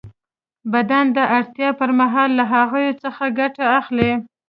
بدن د اړتیا پر مهال له هغوی څخه ګټه اخلي.